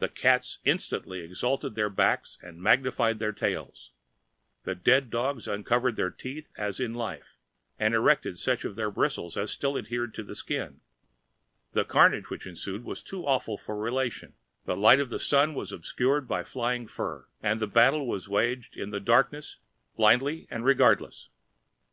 The cats instantly exalted their backs and magnified their tails; the dead dogs uncovered their teeth as in life, and erected such of their bristles as still adhered to the skin. The carnage that ensued was too awful for relation! The light of the sun was obscured by flying fur, and the battle was waged in the darkness, blindly and regardless.